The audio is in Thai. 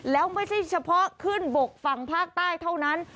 แล้วไม่ใช่เฉพาะขึ้นบกฝั่งภาคใต้เท่านั้น